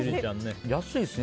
安いですね。